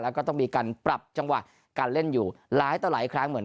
แล้วก็ต้องมีการปรับจังหวะการเล่นอยู่หลายต่อหลายครั้งเหมือนกัน